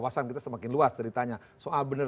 semakin luas ceritanya soal bener